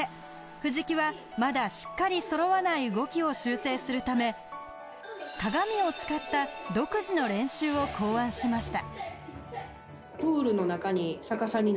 藤木はまだしっかりそろわない動きを修正するため鏡を使った独自の練習を考案しました。